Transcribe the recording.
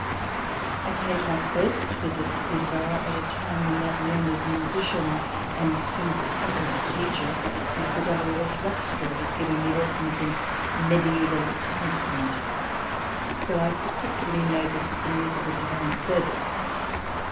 I paid my first visit to Peterborough at a time when that learned musician and incomparable teacher, Mr. W. S. Rockstro, was giving me lessons in medieval counterpoint; so I particularly noticed the music at divine service.